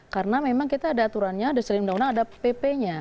karena memang kita ada aturannya ada selimut undang undang ada pp nya